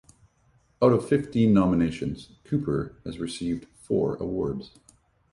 Out of fifteen nominations, Cooper has received four awards.